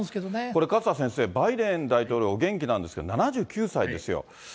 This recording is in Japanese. これ、勝田先生、バイデン大統領、お元気なんですけれども、７９歳ですよ。